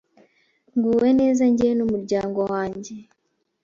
nguwe neza njyewe n’umuryango wanjye